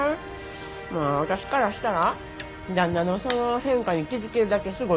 まあ私からしたら旦那のその変化に気付けるだけすごいと思うけどね。